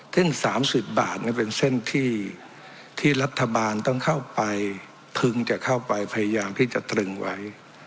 เส้น๓๐บาทเป็นเส้นที่รัฐบาลต้องเข้าไปพึงจะเข้าไปพยายามที่จะตรึงไว้